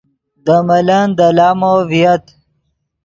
دے ملن دے لامو ڤییت